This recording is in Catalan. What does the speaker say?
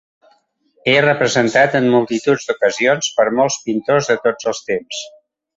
És representat en multitud d'ocasions per molts pintors de tots els temps.